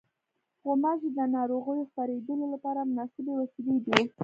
غوماشې د ناروغیو خپرېدلو لپاره مناسبې وسیلې دي.